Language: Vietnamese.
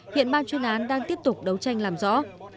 hiện ban chuyên án đang tiếp tục đấu tranh làm rõ